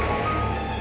apa ya pak